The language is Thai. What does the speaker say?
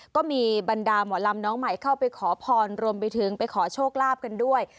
ก็มีบรรดาหมอลำน้องใหม่เข้าไปขอพรรวมไปถึงไปขอโชคลาภกันด้วย